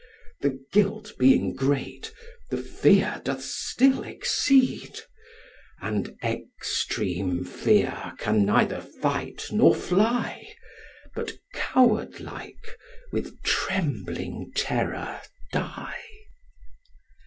The guilt being great, the fear doth still exceed; And extreme fear can neither fight nor fly, But coward like with trembling terror die.